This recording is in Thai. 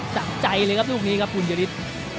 สักใจเลยครับลูกนี้ครับคุณเยอริฐ